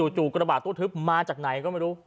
จู่กระบาดตู้ทึบมาจากไหนก็ไม่รู้